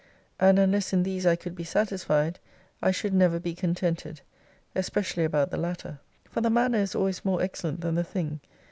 And unless in these I could be satisfied, I should never be contented : Especially about the latter. For the manner is always more excellent than the thing.